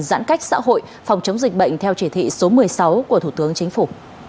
giãn cách xã hội phòng chống dịch bệnh theo chỉ thị số một mươi sáu của thủ tướng chính phủ